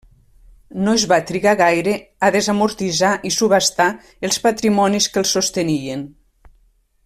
No es va trigar gaire a desamortitzar i subhastar els patrimonis que els sostenien.